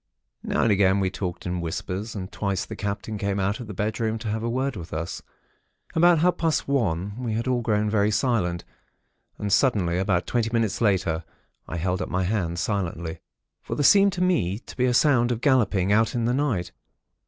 "Now and again we talked in whispers; and twice the Captain came out of the bedroom to have a word with us. About half past one, we had all grown very silent; and suddenly, about twenty minutes later, I held up my hand, silently; for there seemed to me to be a sound of galloping, out in the night.